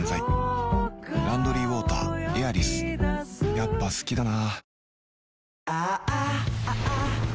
やっぱ好きだな